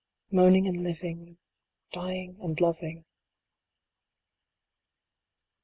Moaning and living. Dying and loving.